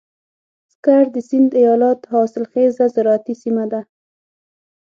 سکر د سيند ايالت حاصلخېزه زراعتي سيمه ده.